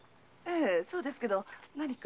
そうですけど何か？